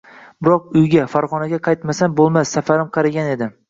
Biroq, uyga, Farg’onaga qaytmasam bo’lmas, safarim qarigan edi.